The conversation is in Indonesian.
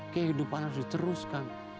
kehidupan harus diceruskan